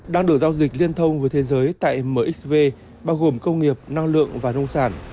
đang được giao dịch liên thông với thế giới tại mxv bao gồm công nghiệp năng lượng và nông sản